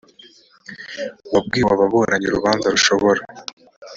wabwiwe ababuranyi urubanza rushobora